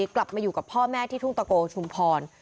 กลับมาอยู่กับพ่อแม่ที่ทุ่งตะโกชุมพร